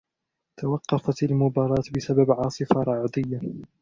توقفت المباراة بسبب عاصفة رعدية.